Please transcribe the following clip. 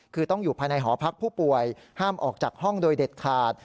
คือต้องอยู่ภายในหอพักผู้ป่วยห้ามออกจากห้องโดยเด็ดขาด